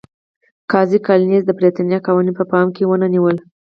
قاضي کالینز د برېټانیا قوانین په پام کې ونه نیول.